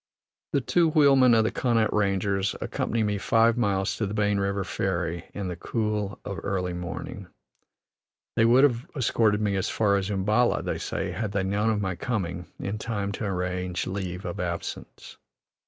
The two wheelmen of the Connaught Rangers, accompany me five miles to the Bane River ferry, in the cool of early morning. They would have escorted me as far as Umballa, they say, had they known of my coming in time to arrange leave' of absence.